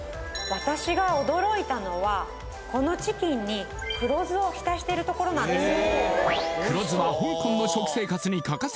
私が驚いたのはこのチキンに黒酢を浸しているところなんです